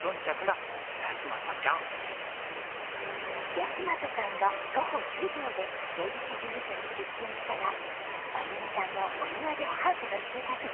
安正さんが徒歩１０秒で税理士事務所に出勤したら真由美さんもお庭でハーブの収穫です。